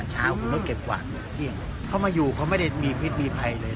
ช้าคุณก็เก็บกว่าอย่างเงี้ยเข้ามาอยู่เขาไม่ได้มีพิษมีภัยเลย